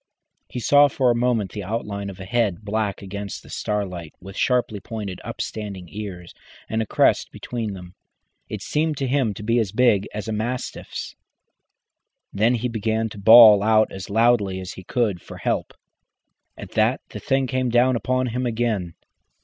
He saw for a moment the outline of a head black against the starlight, with sharply pointed upstanding ears and a crest between them. It seemed to him to be as big as a mastiff's. Then he began to bawl out as loudly as he could for help. At that the thing came down upon him again.